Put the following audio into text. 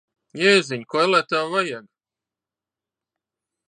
Jēziņ! Ko, ellē, tev vajag?